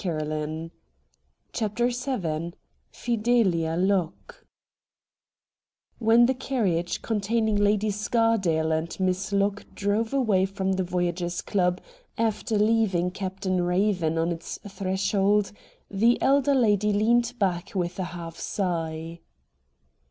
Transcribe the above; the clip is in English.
133 CHAPTEK Vn FIDELIA LOCKE When the carriage containing Lady Scardale and Miss Locke drove away from the Voyagers' Club, after leaving Captain Eaven on its threshold, the elder lady leaned back with a half sigh.